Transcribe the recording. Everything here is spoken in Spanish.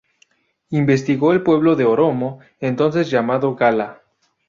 Investigó el pueblo de Oromo, entonces llamado Gala.